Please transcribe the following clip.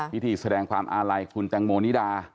พิธีแสดงความอาลัยคุณแตงโมนิดา